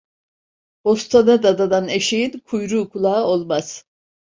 Bostana dadanan eşeğin kuyruğu, kulağı olmaz.